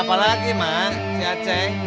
gapal lagi mak si aceh